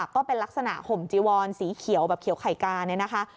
ก็เป็นลักษณะห่มจีวอนสีเขียวแบบเขียวไข่กาเนี่ยนะคะ